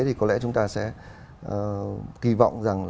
thì có lẽ chúng ta sẽ kỳ vọng rằng